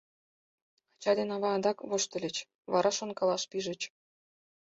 Ача ден ава адакат воштыльыч, вара шонкалаш пижыч.